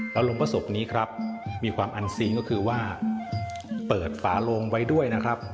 แล้วลงพระศพนี้ครับมีความอันซีนก็คือว่าเปิดฝาโลงไว้ด้วยนะครับ